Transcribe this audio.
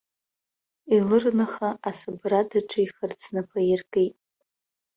Елырныха асабрада аҿихырц напы аиркит.